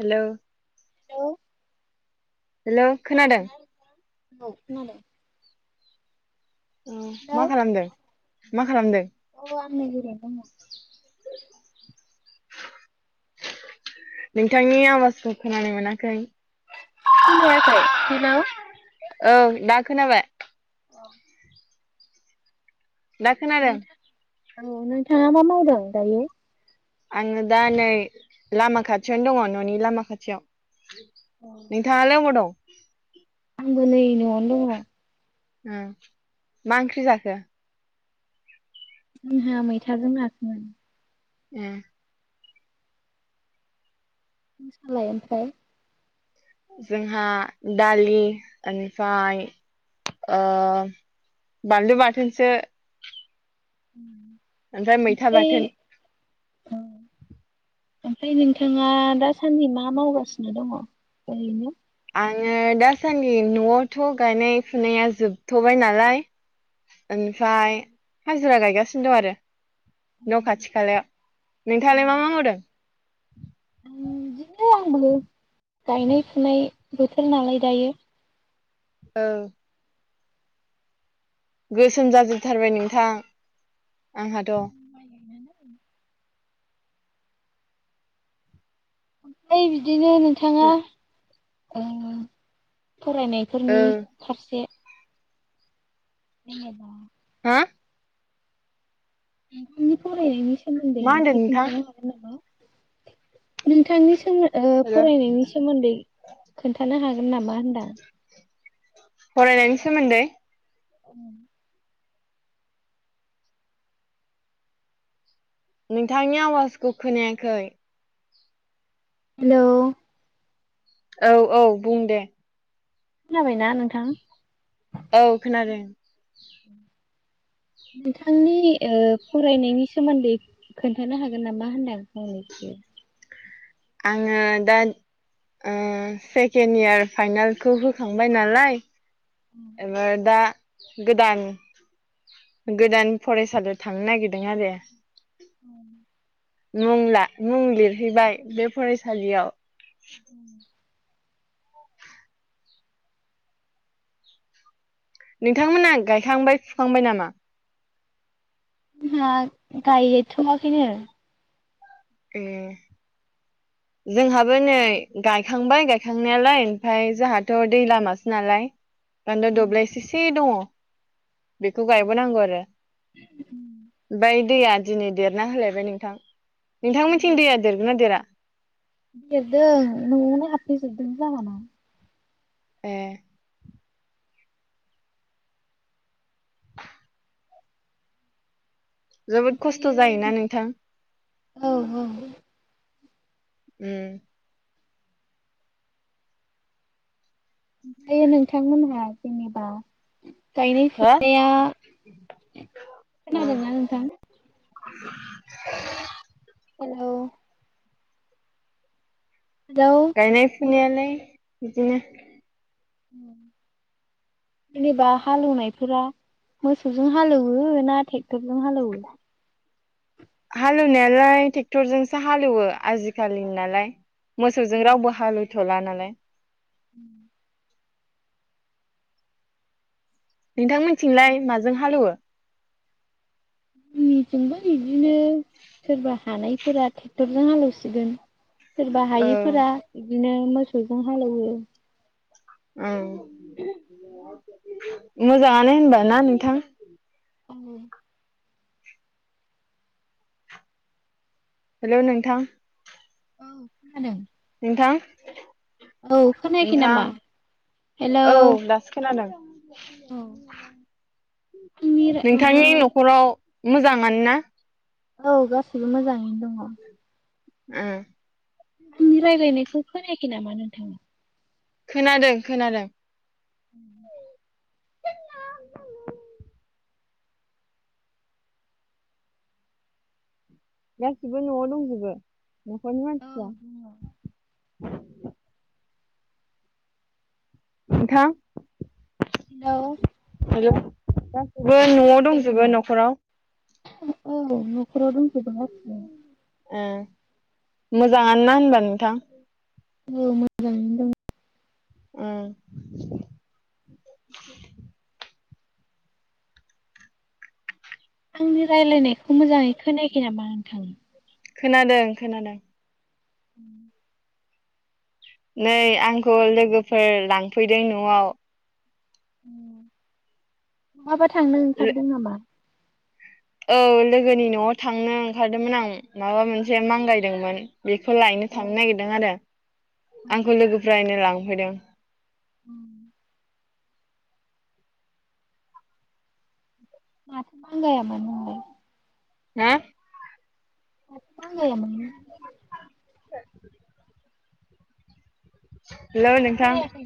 Hello [unintelligible] हेल' खोनादों? ओ खोनादों। ओ हेलौ मा खालामदों मा खालामदों? औ आं नै ओरैनो दङ। नोंथांनि आवाजखौ खोनानो मोनाखै। खोनायाखै हेलौ औ दा खोनाबाय। अ। दा खोनादों। औ नोंथाङा मा मावदों दायो? आङो दा नै लामा खाथियावनो दङ' न'नि लामा खाथियाव। अ नोंथांङालाय अबाव दं? आंबो नै न'आवनो दङ'। मा ओंख्रि जाखो? जोंहा मैथाजों नासोमोन। ए। नोंसालाय ओमफ्राय? जोंहा दालि ओमफ्राय आ बानलु बाथोनसो। उम। ओमफ्राय मैथा बाथोन। औ ओमफ्राय नोंथाङा दासान्दि मा मावगासिनो दङ' ओरैनो? आंङो दासान्दि न'आवथ' गायनाय-फुनाया जोबथ'बाय नालाय ओमफ्राय हाजिरा गायगासिनो दं आरो। न' खाथि-खालायाव नोंथांङालाय मा-मा मावदों? उम बिदिनो आंबो गायनाय-फुनाय बोथोर नालाय दायो। औ गोसोम जाजोबथारबाय नोंथां आंहाथ'। [inaudible] ओमफ्राय बिदिनो नोंथाङा फरायनायफोरनि फारसे जेनेबा हा नोंथांनि फरायनायनि सोमोन्दै मा होनदों एसे नोंथां खोन्थानो हागोन नामा? नोंथांनि हेल' फरायनायनि सोमोन्दै खोन्थानो हागोन नामा होनदां? फरायनायनि सोमोन्दै? औ नोंथांनि आवाजखौ खोनायाखै। हेल' औ औ बुं दे। खोनाबायना नोंथां? औ खोनादों। नोंथांनि फरायनायनि सोमोन्दै खोन्थानो हागोन नामा होननाय? [inaudible] आङो दा सेकेण्ड यार फाइनालखौ होखांबाय नालाय एबार दा गोदान गोदान फरायसालियाव थांनो नागिरदों आरो औ मुं मुं लिरहैबाय बे फरायसालियाव [inaudible] नोंथांमोना गायखांबाय फुखांबाय नामा? हा गायथ'वाखैनो। ए जोंहाबो नै गायखांबाय गायखांनायालाय ओमफ्राय जोंहाथ' दै लामासो नालाय बान्दो दब्लायसेसे दङ। बेखौ गायबोनांगौ आरो ओमफ्राय दैया दिनै देरना होलायबाय नोंथां नोंथां मोनिथिं दैया देरगोनना देरा? देरदों न'आवनो हाबफैजोबदों जोंहाना। एह जोबोद खस्थ' ओमफ्रायो जायोना नोंथां? औ औ उम ओमफ्रायो नोंथांमोनहा जेनेबा गायनाय हो फुनाया उम खोनादोंना नोंथां? [inaudible] हेलौ हेल' गायनाय फुनायालाय बिदिनो [inaudible] जेनेबा हालेवनायफोरा मोसौजों हालेवयो ना टेक्टरजों हालेवयो? हालेवनायालाय ट्रेक्टरजोंसो हालेवो आजिखालि नालाय मोसौजों रावबो हालेवथ'ला नालाय [inaudible] नोंथां मोनिथिंलाय माजों हालेवो? जोंनिथिंबो इदिनो सोरबा हानायफोरा ट्रेक्टरजों हालेवसिगोन सोरबा औ हायिफोरा बिदिनो मोसौजों हालौवो। औ [unintelligible] मोजाङानो होनबा ना नोंथां? औ हेल' नोंथां औ खोनादों नोंथां औ खोनायाखै नोंथां नामा? हेलौ औ दासो खोनादों आंनि रा माबा नोंथांनि न'खराव मोजाङानो ना? औ गासैसिबो मोजाङैनो दङ। ओं आंनि रायलायनायखौ खोनायाखै नामा नोंथाङा? खोनादों खोनादों। उ गासिबो न'आव दंजोबो न'खरनि औ मानसिफ्रा? दङ। [unintelligible] नोंथां हेल' हेल' गासैबो न'आव नामा? दंजोबो न'खराव? औ न'खराव दंजोबो गासैबो। ए मोजाङानो ना होनबा नोंथां? औ मोजाङै दङ। औ आंनि रायलायनायखौ मोजाङै खोनायाखै नामा नोंथां? खोनादों खोनादों। उ नै आंखौ लोगोफोर लांफैदों न'आव महाबा थांनो ओंखारदों नामा? औ लोगोनि न'आव थांनो ओंखारदोंमोन आं माबा मोनसे मांगायदोंमोन। बेखौ लायनो थांनो नागिरदों आरो आंखौ लोगोफोरानो लांफैदों। [inaudible] माथो मांगायामोन नोंलाय? [inaudible] माथो मांगायामोन नों? [inaudible] हेल' नोंथां? खोनायाखै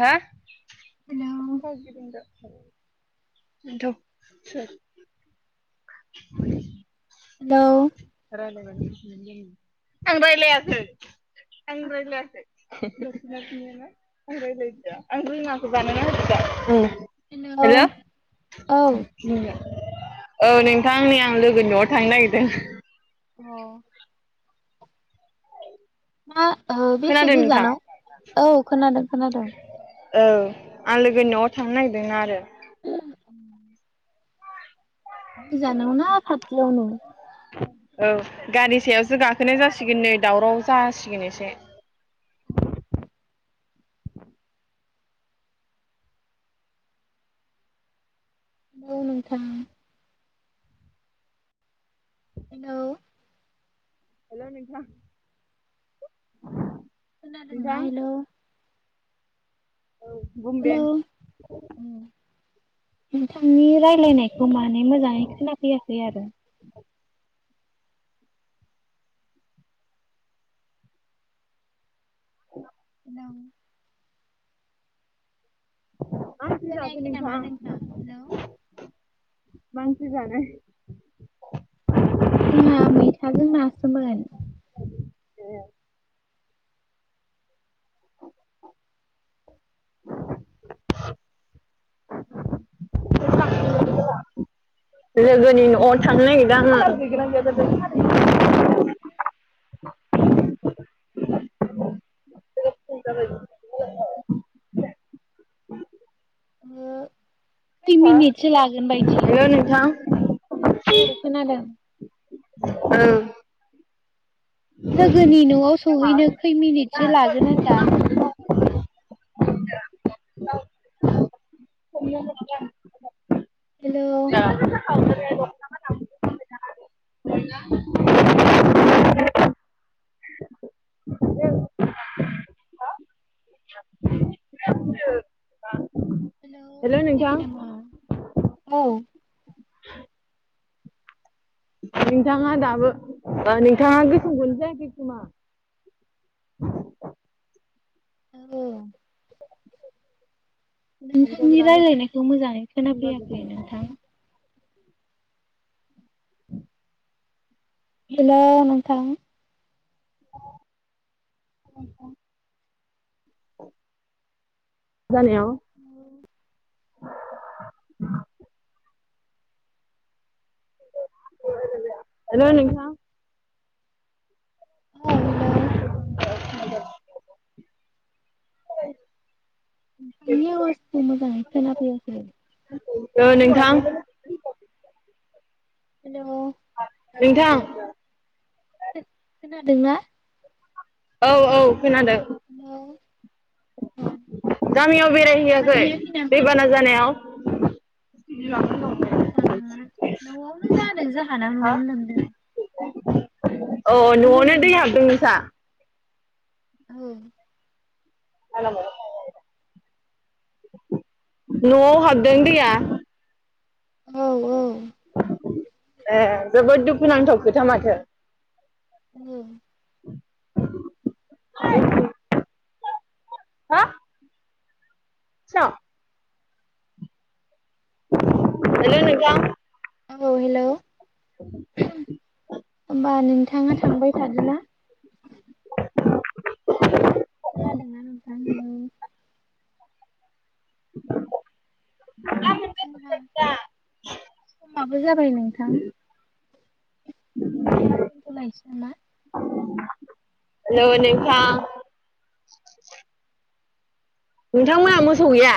[inaudible] हेलौ [unintelligible] [inaudible] हेलौ? आं रायलायाखै। आं रायलायाखै, नोंसोरनाव सोंनायाना आं रायलायदिया आं रोङाखै बानायना होदो दा। Hello hello? औ औ नोंथां नै आं लोगोनि न'आव थांनो नागिरदों। अह। मा ओ बेसे खोनादों नोंथां गोजानाव? औ खोनादो खोनादों। औ आं लोगोनि न'आव थांनो नागिरदोंना आरो। [inaudible] गोजानाव ना खाथियावनो? औ गारि सायावसो गाखोनाय जासिगोन नै, दावराव जासिगोन एसे। [inaudible] हेल' नोंथां? हेल'? हेल' नोंथां। खोनादोंना नोंथां हेल'? औ बुंदे। नोंथांनि रायलायनायखौ माने मोजाङै खोनाफैयाखै आरो। [inaudible] हेलौ मा ओंख्रि जाखौ खोनायाखै नामा हेलौ नोंथां? मा ओंख्रि जानाय? जोंहा मैथाजों नासोमोन। एह। [inaudible] लोगोनि अन थांनो नागिरदों आङो। औ। ओ खै मिनिटसो लागोन बायदि? हेलौ नोंथां औ खोनादों। ओं। लोगोनि न'आव सहैनो खै मिनिटसो लागोन होनदां? हेल'? हेल'? [inaudible] हेल' हेलौ नोंथां खोनायाखै नामा? औ। नोंथाङा दाबो नोंथाङा गोथौखौनो जायाखै खोमा? [inaudible] [unintelligible] आंथ' नोंथांनि बिराद गोसोम रायलायनायखौ मोजाङै जादों खोनाफैयाखै नोंथां? [inaudible] हेल' नोंथां? [inaudible] जानायाव औ [inaudible] हेल नोंथां? औ हेल'। [inaudible] नोंनि आवाजखौ मोजाङै खोना फैयाखै? औ नोंथां। नोंथां हेल' खो-खोनादोंना? औ औ खोनादों। औ गामियाव बेरायहैयाखै मारहैयाखै नामा? दैबाना जानायाव? [inaudible] थाङा न'आवनो जादों जाहाना न'आवनो लोमदों। अ न'आवनो दै हाबदों नोंसा? औ [unintelligible] न'आव हाबदों दैया? औ औ ए जोबोद दुखुनांथाव खोथा माथो। उम हा? स हेल' नोंथां? औ हेल' होमबा नोंथाङा थांबाय थादोना? [inaudible] खोनादोंना नोंथां हेल' [inaudible] जोंहा समाबो जाबाय नोंथां। बिदिबा दनथलायनोसै नामा? हेल' नोंथां नोंथांमोनहा मोसौ गैया?